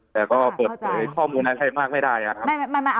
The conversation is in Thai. แต่ก็ข้อมูลให้มันไม่ได้